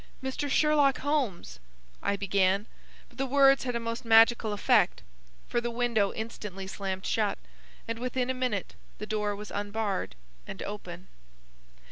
"Mr. Sherlock Holmes—" I began, but the words had a most magical effect, for the window instantly slammed down, and within a minute the door was unbarred and open.